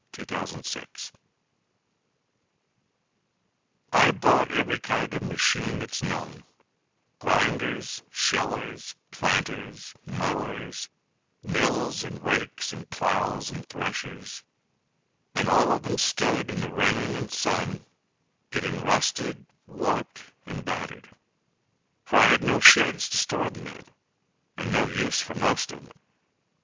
Abel Melveny I bought every kind of machine that's known— Grinders, shellers, planters, mowers, Mills and rakes and ploughs and threshers— And all of them stood in the rain and sun, Getting rusted, warped and battered, For I had no sheds to store them in, And no use for most of them.